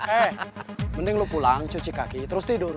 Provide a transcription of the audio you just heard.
eh mending lu pulang cuci kaki terus tidur